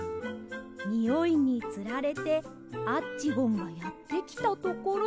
においにつられてアッチゴンがやってきたところで。